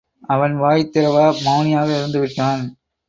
அவன் வாய் திறவா மவுனியாக இருந்துவிட்டான்.